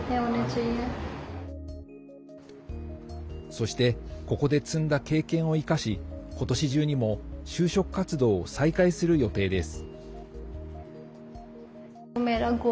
そしてここで積んだ経験を生かし今年中にも就職活動を再開する予定です。